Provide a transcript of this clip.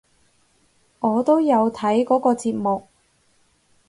我都有睇嗰個節目！